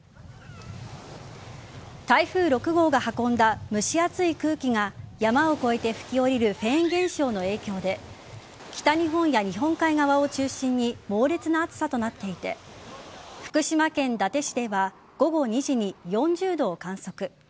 台風６号が運んだ蒸し暑い空気が山を越えて吹き降りるフェーン現象の影響で北日本や日本海側を中心に猛烈な暑さとなっていて福島県伊達市では午後２時に４０度を観測。